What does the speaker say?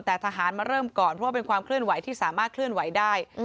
แต่ทหารมาเริ่มก่อนเพราะว่าเป็นความเคลื่อนไหวที่สามารถเคลื่อนไหวได้